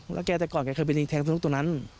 แล้วแกแต่ก่อนแกเคยเป็นอีกแทงสนุกตรงนั้น